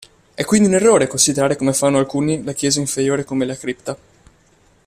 È quindi un errore considerare come fanno alcuni la chiesa inferiore come la cripta.